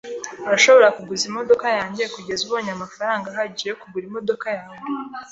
Urashobora kuguza imodoka yanjye kugeza ubonye amafaranga ahagije yo kugura imodoka yawe.